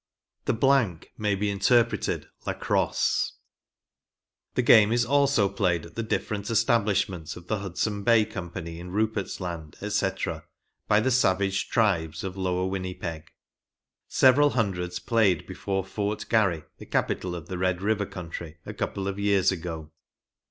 The blank may be interpreted " Lacrosse." The game is also played at the different establishments of the Hudson Bay Company in Rupert's Land, &c, by the savage tribes of Lower Winnipeg. Several hundreds played before Fort Garry, the capital of the Red River country, a couple of years ago.